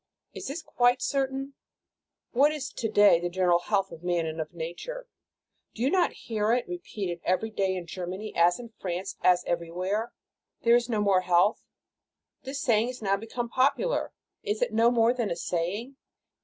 Is this quite certain ? What is to day the general health of man and of nature? Do you not hear it repeated every day in Germany as in France, as everywhere, "There is no more health"? This saying, now become popular, is it no more than a saying?